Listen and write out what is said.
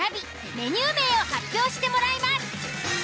メニュー名を発表してもらいます。